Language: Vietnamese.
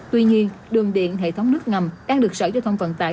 tuy nhiên đường điện hệ thống nước ngầm đang được sở giao thông vận tải